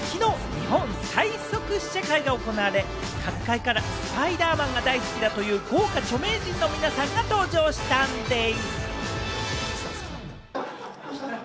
日本最速試写会が行われ、各界からスパイダーマンが大好きだという豪華著名人の皆さんが登場したんでぃす。